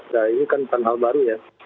nah ini kan bukan hal baru ya